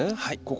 はい。